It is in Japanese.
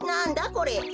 これ。